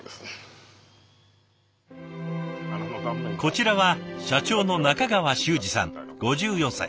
こちらは社長の中川周士さん５４歳。